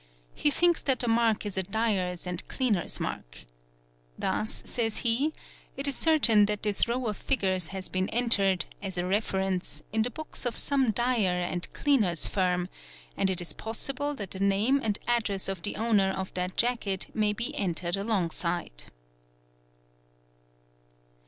He thinks that the mark is a dyer's and cleaner's mark. Thus, says he, it is certain that this row of figures has been entered, as a reference, i the books of some dyer and cleaner's firm; and it is possible that the" name and address of the owner of that jacket may be entered alongside.